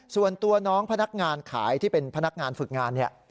ส่วนตัวน้องพนักงานขายที่เป็นพนักงานฝึกงานเนี่ย